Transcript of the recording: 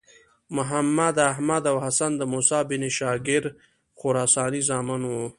محمد، احمد او حسن د موسی بن شاګر خراساني زامن وو.